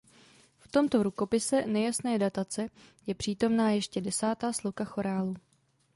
V tomto rukopise nejasné datace je přítomná ještě desátá sloka chorálu.